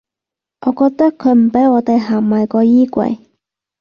我覺得佢唔畀我地行埋個衣櫃